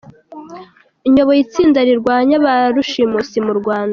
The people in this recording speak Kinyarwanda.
Nyoboye itsinda rirwanya ba rushimusi mu Rwanda.